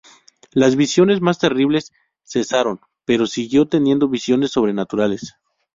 Las visiones más terribles cesaron, pero siguió teniendo visiones sobrenaturales.